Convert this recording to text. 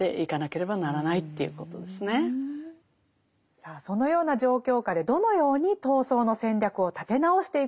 さあそのような状況下でどのように闘争の戦略を立て直していくべきなのでしょうか。